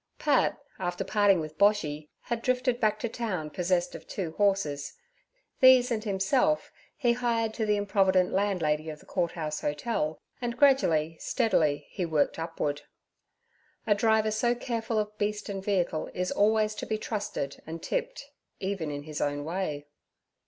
Pat, after parting with Boshy, had drifted back to town possessed of two horses. These and himself he hired to the improvident landlady of the Court House Hotel, and gradually, steadily he worked upward. A driver so careful of beast and vehicle is always to be trusted and tipped, even in his own way.